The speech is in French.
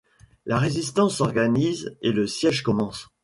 La résistance s’organise et le siège commence.